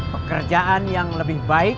pekerjaan yang lebih baik